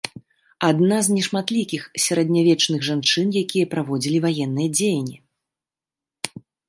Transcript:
Адна з нешматлікіх сярэднявечных жанчын, якія праводзілі ваенныя дзеянні.